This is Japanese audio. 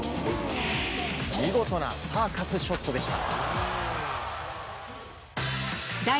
見事なサーカスショットでした。